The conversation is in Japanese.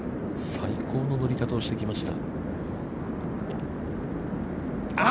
最高の乗り方をしてきました。